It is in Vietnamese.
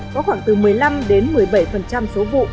có khoảng từ một mươi năm đến một mươi bảy số vụ